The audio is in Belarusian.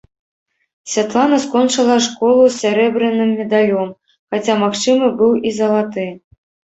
Святлана скончыла школу з сярэбраным медалём, хаця магчымы быў і залаты.